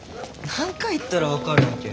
何回言ったら分かるわけ？